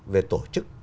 về tổ chức